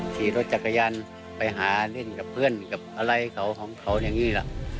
ขี่รถจักรยานไปหาเล่นกับเพื่อนกับอะไรเขาของเขาอย่างนี้ล่ะ